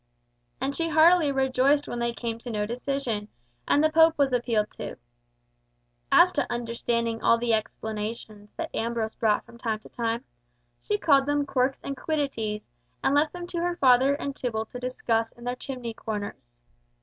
And she heartily rejoiced when they came to no decision, and the Pope was appealed to. As to understanding all the explanations that Ambrose brought from time to time, she called them quirks and quiddities, and left them to her father and Tibble to discuss in their chimney corners.